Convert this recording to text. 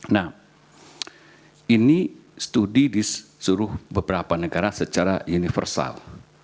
nah ini studi disuruh beberapa negara secara universal